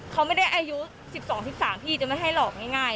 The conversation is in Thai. เขาไม่ได้อายุ๑๒๑๓พี่จะไม่ให้หลอกง่าย